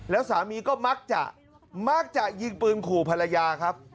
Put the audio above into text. แล้วสามีก็มักจะมักจะยิงปืนขู่ภรรยาครับ